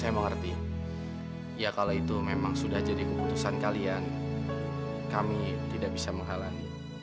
masya allah pak sepertinya pakaian kita ada yang hilang